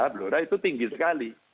blora itu tinggi sekali